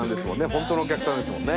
ほんとのお客さんですもんね。